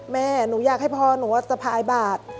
แม่หนูอยากให้พ่อหนูสะพายบาท